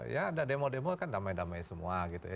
ya ada demo demo kan damai damai semua gitu ya